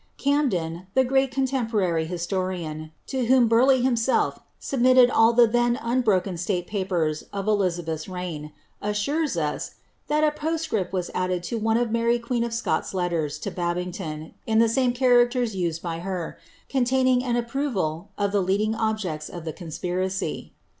Camden, the great contemporary historian, to whom Burleigh him self submitted all the then unbroken state papers of Elizabeth's reign, assures us, that a postscript was added to one of Mary queen of Scots' letters to Babington, in the same characters used by her, containing an spproval of the leading objects of the conspiracy.